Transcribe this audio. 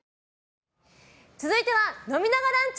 続いては飲みながランチ！